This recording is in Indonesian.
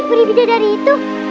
puri bidadari itu